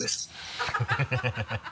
ハハハ